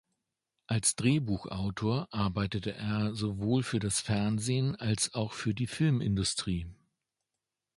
Als Drehbuchautor arbeitete er sowohl für das Fernsehen als auch für die Filmindustrie.